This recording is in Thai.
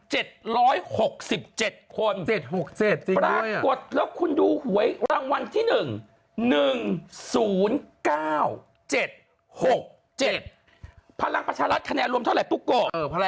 ๗๖๗จริงด้วยอะปรากฏแล้วคุณดูหวยรางวัลที่๑๑๐๙๗๖๗พลังประชารัฐคะแนนรวมเท่าไหร่ตุ๊กโกะ